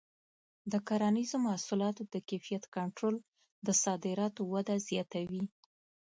د کرنیزو محصولاتو د کیفیت کنټرول د صادراتو وده زیاتوي.